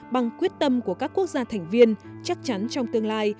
bằng quyết tâm của các quốc gia thành viên chắc chắn trong tương lai